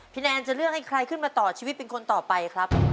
แนนจะเลือกให้ใครขึ้นมาต่อชีวิตเป็นคนต่อไปครับ